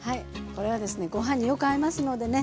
これはですねご飯によく合いますのでね